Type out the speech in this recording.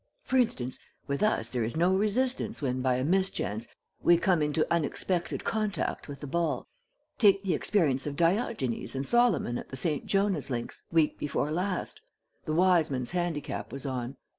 "For instance, with us there is no resistance when by a mischance we come into unexpected contact with the ball. Take the experience of Diogenes and Solomon at the St. Jonah's Links week before last. The Wiseman's Handicap was on.